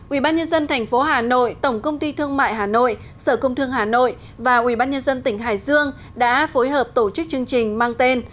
ubnd tp hà nội tổng công ty thương mại hà nội sở công thương hà nội và ubnd tỉnh hải dương đã phối hợp tổ chức chương trình mang tên